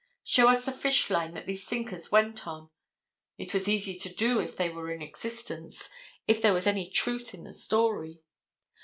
Show us the fish line that these sinkers went on. It was easy to do if they were in existence, if there was any truth in the story.